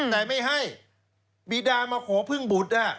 แต่ไม่ให้บีดามาขอพึ่งบุตร